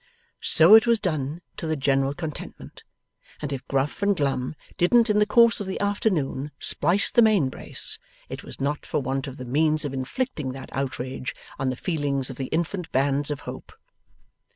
So it was done to the general contentment; and if Gruff and Glum didn't in the course of the afternoon splice the main brace, it was not for want of the means of inflicting that outrage on the feelings of the Infant Bands of Hope.